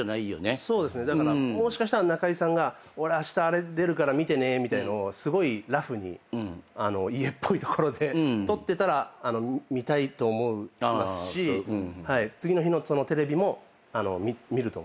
もしかしたら中居さんが「俺あしたあれ出るから見てね」みたいのをすごいラフに家っぽい所で撮ってたら見たいと思いますし次の日のテレビも見ると思うんですよ。